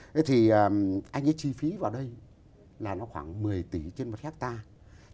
thế thì anh ấy chi phí vào đây là nó khoảng một mươi tỷ trên một hectare